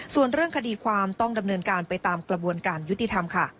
ส่วนเรื่องคดีความต้องดำเนินการไปตามกระบวนการยุติธรรมค่ะ